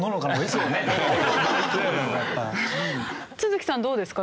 都築さんどうですか？